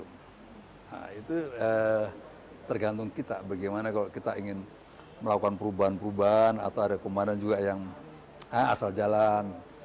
nah itu tergantung kita bagaimana kalau kita ingin melakukan perubahan perubahan atau ada komandan juga yang asal jalan